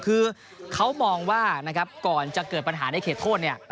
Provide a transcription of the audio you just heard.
คือเขามองว่านะครับก่อนจะเกิดปัญหาในเขตโทษเนี่ย